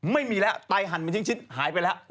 ไม่มีแล้วไตหั่นเป็นชิ้นหายไปแล้ว